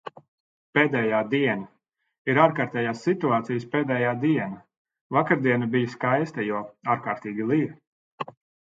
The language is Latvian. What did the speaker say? Pēdējā diena. Ir ārkārtējās situācijas pēdējā diena. Vakardiena bija skaista, jo ārkārtīgi lija.